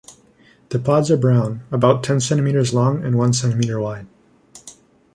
The pods are brown, about ten centimetres long and one centimetre wide.